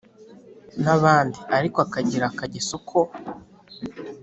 nabandi ariko akagira akageso ko